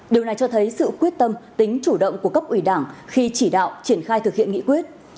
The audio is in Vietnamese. điều này cho thấy sự quyết tâm tính chủ động của cấp ủy đảng khi chỉ đạo triển khai thực hiện nghị quyết